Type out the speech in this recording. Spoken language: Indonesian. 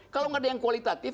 kalau nggak ada yang kualitatif